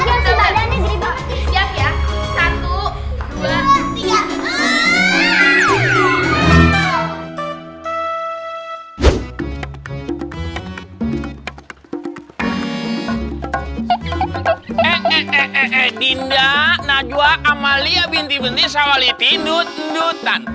saya dinda najwa amalia binti binti sawaliti nut ndutan